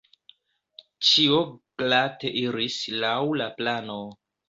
Ĉio glate iris laŭ la plano….